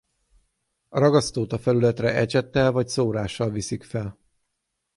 A ragasztót a felületre ecsettel vagy szórással viszik fel.